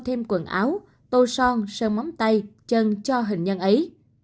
thêm quần áo tô son sơn móng tay chân cho hình nhân ấy